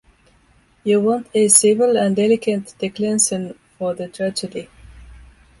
You want a civil and delicate declension for the tragedy.